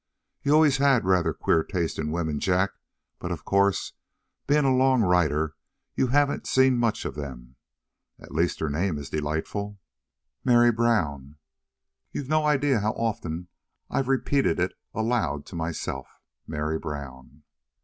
You've always had rather queer taste in women, Jack; but, of course, being a long rider, you haven't seen much of them. At least her name is delightful Mary Brown! You've no idea how often I've repeated it aloud to myself Mary Brown!"